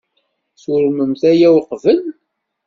Turmemt aya uqbel?